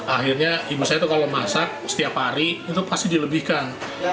akhirnya ibu saya itu kalau masak setiap hari itu pasti dilebihkan